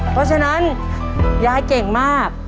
เพราะฉะนั้นยายเก่งมาก